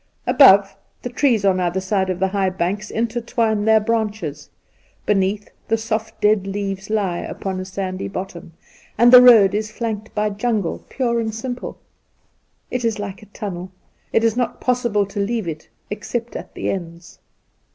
Above, the trees on either side of the high banks intertwine their branches ; beneath, the soft dead leaves lie upon a sandy bottom, Induna Nairn 103 and the road is flanked by jungle, pure and simple. It is like a tunnel. It is not possible to leave it except at the ends.